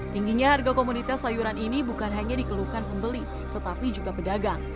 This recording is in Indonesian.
tingginya harga komunitas sayuran ini bukan hanya dikeluhkan pembeli tetapi juga pedagang